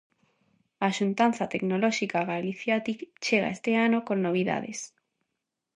A xuntanza tecnolóxica Galiciatic chega este ano con novidades.